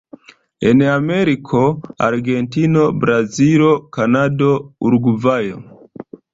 En Ameriko: Argentino, Brazilo, Kanado, Urugvajo.